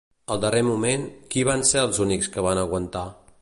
Al darrer moment, qui van ser els únics que van aguantar?